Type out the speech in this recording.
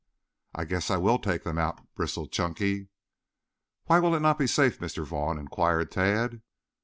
"I guess I will take them out," bristled Chunky. "Why will it not be safe, Mr. Vaughn?" inquired Tad.